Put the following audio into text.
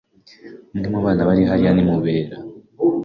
Umwe mu bana bari hariya ni Mubera.